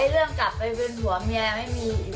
ไอ้เรื่องกลับไปเป็นหัวแม่ไม่มีไม่มีอยู่แล้ว